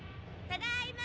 ただいま！